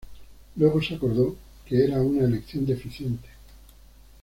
Luego se acordó que era una elección deficiente.